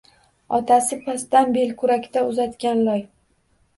Otasi pastdan belkurakda uzatgan loy.